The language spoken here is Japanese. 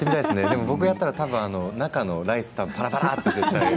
でも僕やったら多分中のライスパラパラって絶対。